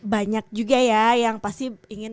banyak juga ya yang pasti ingin